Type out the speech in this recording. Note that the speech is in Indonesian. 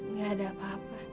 enggak ada apa apa